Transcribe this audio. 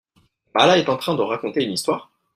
Mala est en train de raconter une histoire ?